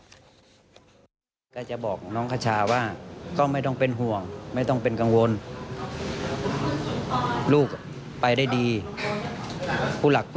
ไม่อยากให้พี่น้องทหารที่ว่าเป็นทหารอยู่แล้ว